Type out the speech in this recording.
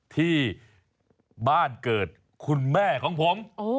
ที่บ้านเกิดคุณแม่ของผม